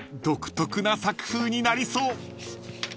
独特な作風になりそう］